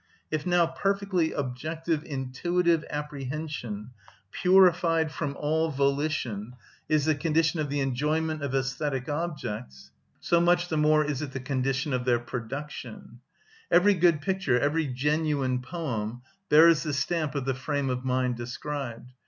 If now perfectly objective, intuitive apprehension, purified from all volition, is the condition of the enjoyment of æsthetic objects, so much the more is it the condition of their production. Every good picture, every genuine poem, bears the stamp of the frame of mind described.